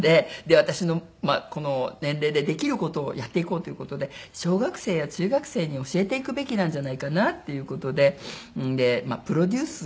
私のこの年齢でできる事をやっていこうという事で小学生や中学生に教えていくべきなんじゃないかなっていう事でまあプロデュース。